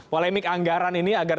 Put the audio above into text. polemik anggaran ini agar